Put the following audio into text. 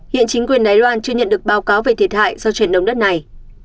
hiện chính quyền đài loan chưa nhận được báo cáo về thiệt hại do trận động đất này